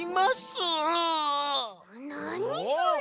なにそれ！